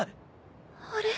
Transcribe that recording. あれ？